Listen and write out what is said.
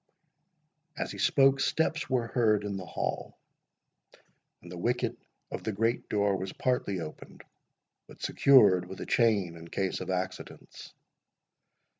As he spoke, steps were heard in the hall, and the wicket of the great door was partly opened, but secured with a chain in case of accidents.